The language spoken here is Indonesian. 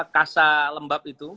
kasa lembab itu